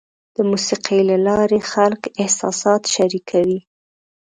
د موسیقۍ له لارې خلک احساسات شریکوي.